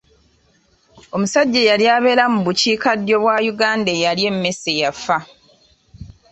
Omusajja eyali abeera mu bukiikaddyo bwa Uganda eyalya emmese yafa.